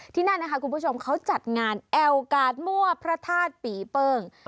ที่นั่นนะคะคุณผู้ชมเขาจัดงานแอวกาสมั่วพระธาตุปีเปิ้ง